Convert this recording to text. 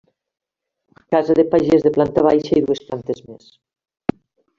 Casa de pagès de planta baixa i dues plantes més.